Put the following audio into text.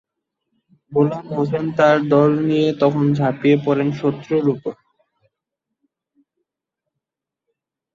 গোলাম হোসেন তার দল নিয়ে তখন ঝাঁপিয়ে পড়েন শত্রুর ওপর।